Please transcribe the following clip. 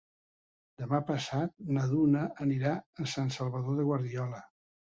Demà passat na Duna anirà a Sant Salvador de Guardiola.